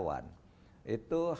lalu kegiatan keluarga